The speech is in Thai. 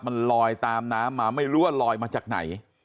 มันลอยตามน้ำมาไม่รู้ว่าลอยมาจากไหน